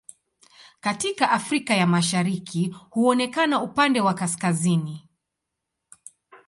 Katika Afrika ya Mashariki huonekana upande wa kaskazini.